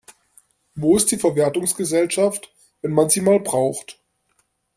Wo ist die Verwertungsgesellschaft, wenn man sie mal braucht?